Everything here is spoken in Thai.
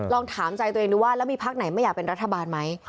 ลองถามใจตัวเองดูว่าแล้วมีพักไหนไม่อยากเป็นรัฐบาลไหม